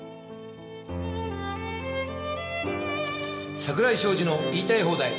「『桜井昌司の言いたい放題！